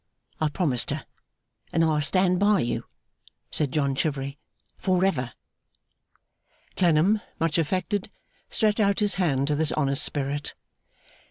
I promised her. And I'll stand by you,' said John Chivery, 'for ever!' Clennam, much affected, stretched out his hand to this honest spirit.